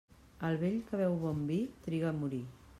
El vell que beu bon vi triga a morir.